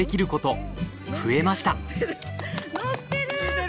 乗ってる！